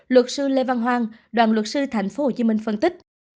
luật sư lê văn hoang đoàn luật sư tp hcm phân tích